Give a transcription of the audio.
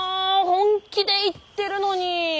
本気で言ってるのに。